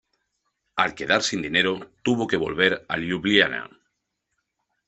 Al quedar sin dinero, tuvo que volver a Liubliana.